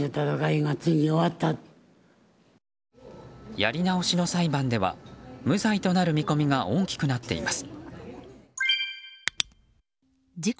やり直しの裁判では無罪となる見込みが大きくなっています。